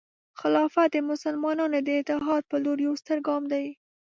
خلافت د مسلمانانو د اتحاد په لور یو ستر ګام دی.